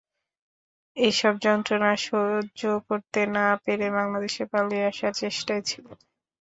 এসব যন্ত্রণা আর সহ্য করতে না পেরে বাংলাদেশে পালিয়ে আসার চেষ্টায় ছিলাম।